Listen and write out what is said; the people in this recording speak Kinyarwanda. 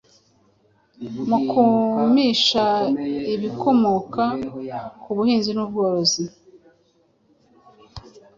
mu kumisha ibikomoka ku buhinzi n’ubworozi